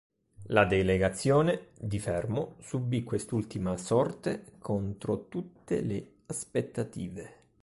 La delegazione di Fermo subì quest'ultima sorte contro tutte le aspettative.